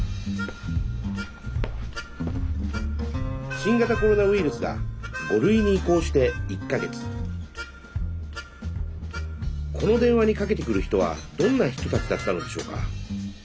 新型コロナウイルスが５類に移行して１か月この電話にかけてくる人はどんな人たちだったのでしょうか。